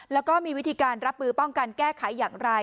แล้วก็มีวิธีการรับมือป้องกันแก้ไขอย่างไร